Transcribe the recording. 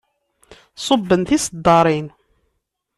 Ṣubben tiseddaṛin.